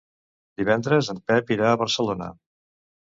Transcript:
Divendres en Pep irà a Barcelona.